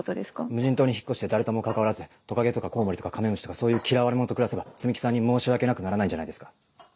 無人島に引っ越して誰とも関わらずトカゲとかコウモリとかカメムシとかそういう嫌われ者と暮らせば摘木さんに申し訳なくならないんじゃないですか？